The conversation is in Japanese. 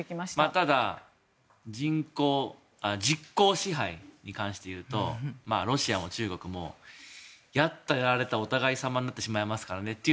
ただ実効支配に関していうとロシアも中国もやったやられたお互いさまになってしまいますからねと。